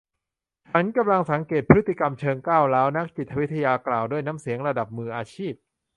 ฉันกำลังสังเกตพฤติกรรมเชิงก้าวร้าวนักจิตวิทยากล่าวด้วยน้ำเสียงระดับมืออาชีพ